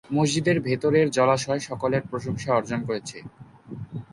মসজিদের ভেতরের জলাশয় সকলের প্রশংসা অর্জন করেছে।